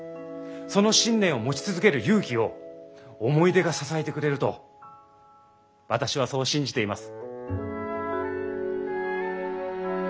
その信念を持ち続ける勇気を思い出が支えてくれると私はそう信じています。